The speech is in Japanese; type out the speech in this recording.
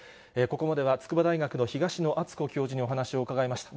ここまでは筑波大学の東野篤子教授にお話を伺いました。